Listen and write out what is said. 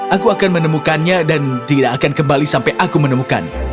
aku akan menemukannya dan tidak akan kembali sampai aku menemukannya